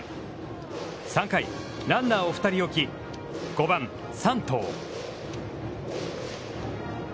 ３回、ランナーを２人置き、５番山藤。